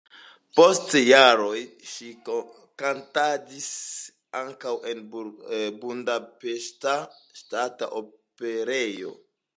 Post jaroj ŝi kantadis ankaŭ en Budapeŝta Ŝtata Operejo.